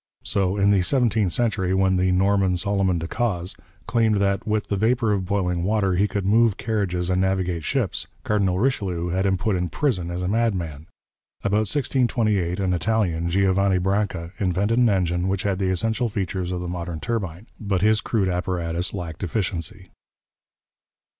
So in the seventeenth century, when the Norman, Solomon de Caus, claimed that with the vapour of boiling water he could move carriages and navigate ships, Cardinal Richelieu had him put in prison as a madman. About 1628 an Italian, Giovanni Branca, invented an engine which had the essential features of the modern turbine, but his crude apparatus lacked efficiency.